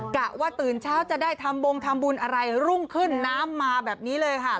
กะว่าตื่นเช้าจะได้ทำบงทำบุญอะไรรุ่งขึ้นน้ำมาแบบนี้เลยค่ะ